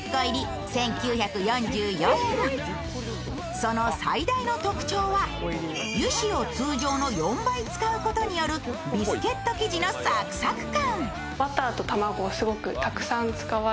その最大の特徴は、油脂を通常の４倍使うことによるビスケット生地のサクサク感。